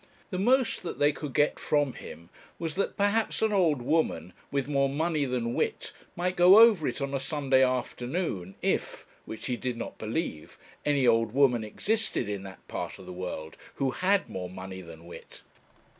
The most that they could get from him was, that perhaps an old woman, with more money than wit, might go over it on a Sunday afternoon, if which he did not believe any old woman existed, in that part of the world, who had more money than wit.